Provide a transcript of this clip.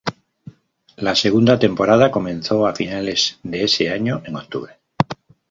La segunda temporada comenzó a finales de ese año en octubre.